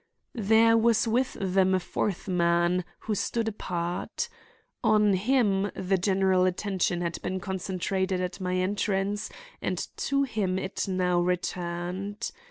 There was with them a fourth man, who stood apart. On him the general attention had been concentrated at my entrance and to him it now returned.